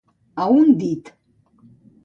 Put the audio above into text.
A un dit.